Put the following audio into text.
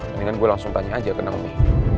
mendingan gue langsung tanya aja ke nomi